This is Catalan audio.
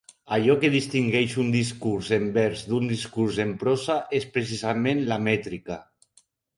Allò que distingeix un discurs en vers d'un discurs en prosa és precisament la mètrica.